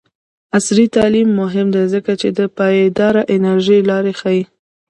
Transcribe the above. عصري تعلیم مهم دی ځکه چې د پایداره انرژۍ لارې ښيي.